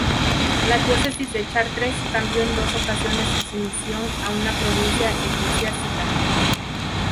La diócesis de Chartres cambió en dos ocasiones su sumisión a una provincia eclesiástica.